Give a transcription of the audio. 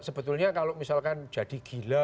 sebetulnya kalau misalkan jadi gila